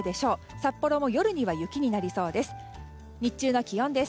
札幌も夜には雪になりそうです。